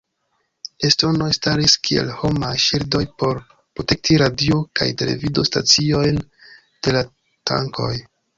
Estonoj staris kiel homaj ŝildoj por protekti radio- kaj televido-staciojn de la tankoj.